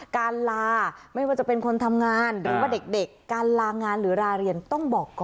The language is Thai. การลาไม่ว่าจะเป็นคนทำงานหรือว่าเด็กการลางานหรือลาเรียนต้องบอกก่อน